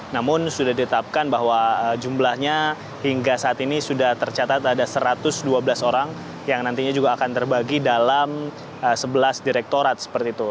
namun sudah ditetapkan bahwa jumlahnya hingga saat ini sudah tercatat ada satu ratus dua belas orang yang nantinya juga akan terbagi dalam sebelas direktorat seperti itu